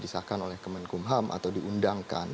disahkan oleh kemenkumham atau diundangkan